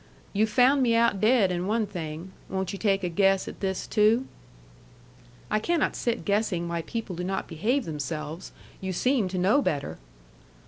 You've found me out dead in one thing. Won't you take a guess at this too?" "I cannot sit guessing why people do not behave themselves who seem to know better."